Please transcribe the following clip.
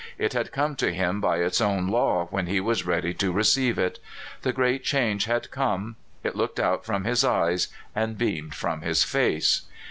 It had come to him by its own law when he was ready to receive it. The great change had come; it looked out from his eyes and beamed from his face.